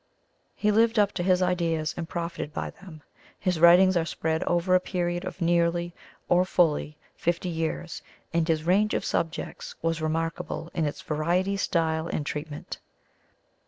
He lived up to his ideas and profited by them. His writings are spread over a period of nearly, or fully, fifty years, and his range of subjects was remarkable in its variety, style, and treatment.